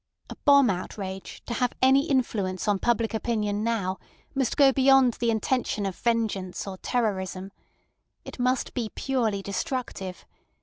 A bomb outrage to have any influence on public opinion now must go beyond the intention of vengeance or terrorism. It must be purely destructive.